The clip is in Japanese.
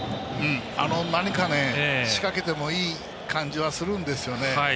何か仕掛けてもいい感じはするんですよね。